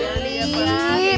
ya boleh ya